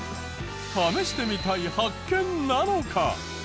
試してみたい発見なのか？